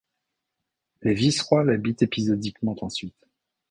Les vice-rois l'habitent épisodiquement ensuite.